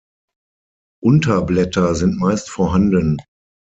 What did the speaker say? Unterblätter sind meist vorhanden.